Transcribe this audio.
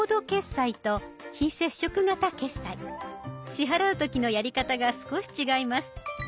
支払う時のやり方が少し違います。